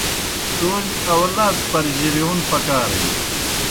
تومیْ آؤلات پرجِرِیون پکارِن۔